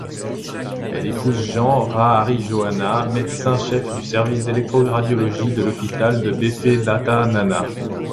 Elle épouse Jean, Raharijaona, médecin-chef du service d’électro-radiologie de l’hôpital Befelatanana.